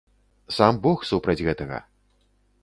Сам бог супраць гэтага.